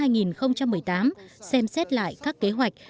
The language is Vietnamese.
một tiến trình từ năm hai nghìn một mươi tám xem xét lại các kế hoạch